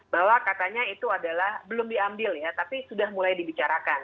bahwa katanya itu adalah belum diambil ya tapi sudah mulai dibicarakan